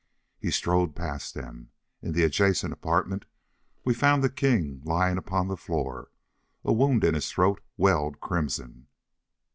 He strode past them. In the adjacent apartment we found the king lying upon the floor. A wound in his throat welled crimson.